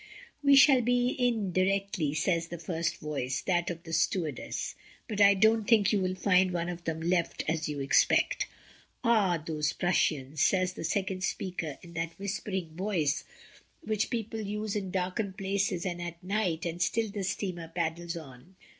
"We shall be in directly," says the first voice, that of the stewardess, "but I don't think you will find one of them left as you expect." "Ah! those Prussians!" says the second speaker in that whispering voice which people use in darkened places and at night; and still the steamer paddles on.